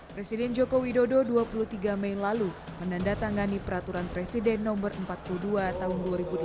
presiden joko widodo dua puluh tiga mei lalu menandatangani peraturan presiden no empat puluh dua tahun dua ribu delapan belas